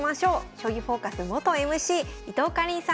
「将棋フォーカス」元ＭＣ伊藤かりんさんです。